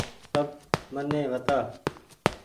سب مني وتآ ۔